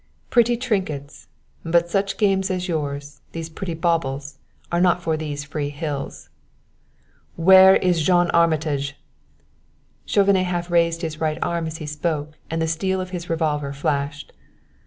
"Pretty trinkets! But such games as yours, these pretty baubles are not for these free hills." "Where is John Armitage?" Chauvenet half raised his right arm as he spoke and the steel of his revolver flashed.